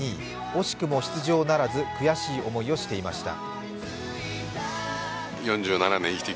惜しくも出場ならず悔しい思いをしていました。